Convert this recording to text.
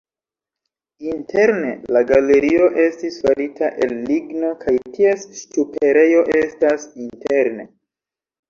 Interne la galerio estis farita el ligno kaj ties ŝtuperejo estas interne.